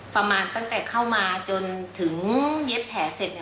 ประมาณตั้งแต่เข้ามาจนถึงเย็บแผลเสร็จเนี่ย